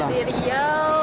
waktu di rio